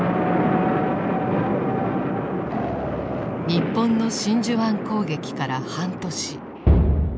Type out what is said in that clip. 日本の真珠湾攻撃から半年。